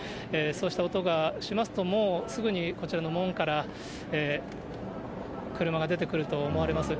そして音がしますと、もうすぐにこちらの門から車が出てくると思われます。